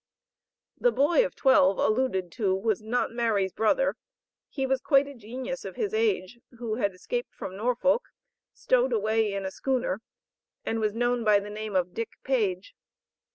The "boy of twelve," alluded to, was not Mary's brother. He was quite a genius of his age, who had escaped from Norfolk, stowed away in a schooner and was known by the name of "Dick Page."